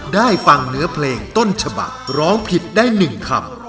ได้ฟังเนื้อเพลงต้นฉบักร้องผิดได้๑คำ